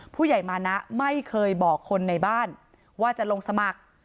ผู้ใหญ่มานะไม่เคยบอกคนในบ้านว่าจะลงสมัคร